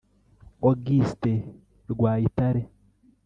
Augustin Rwayitare